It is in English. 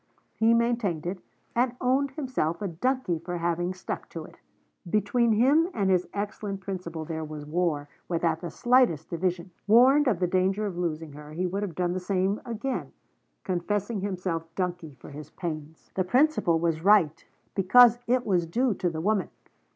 He maintained it, and owned himself a donkey for having stuck to it. Between him and his excellent principle there was war, without the slightest division. Warned of the danger of losing her, he would have done the same again, confessing himself donkey for his pains. The principle was right, because it was due to the woman.